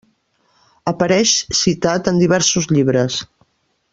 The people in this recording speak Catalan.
Apareix citat en diversos llibres.